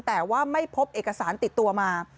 แต่ว่าไม่พบเอกสารติดตัวมา